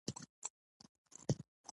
د ښوونکي د خوښې خلاف خبرې منع وې.